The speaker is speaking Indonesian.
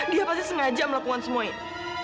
dia pasti sengaja melakukan semua ini